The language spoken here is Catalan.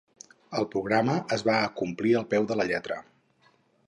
El programa es va acomplir al peu de la lletra.